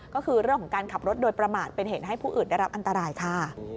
ก็คือเรื่องของการขับรถโดยประมาทเป็นเหตุให้ผู้อื่นได้รับอันตรายค่ะ